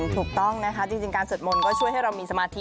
ถูกต้องนะคะจริงการสวดมนต์ก็ช่วยให้เรามีสมาธิ